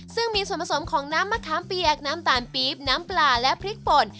ซึ่งมีส่วนผสมของน้ำมะขามเปียกน้ำตาลปี๊บน้ำปลาและพริกป่น